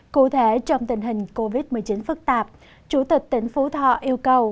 cụ thể trong tình hình covid một mươi chín phức tạp chủ tịch tỉnh phú thọ yêu cầu